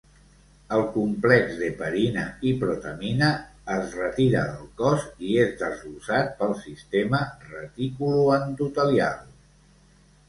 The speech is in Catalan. El complex d'heparina i protamina es retira del cos i és desglossat pel sistema reticuloendotelial.